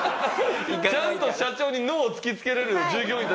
ちゃんと社長にノーを突きつけられる従業員たちやったんですね。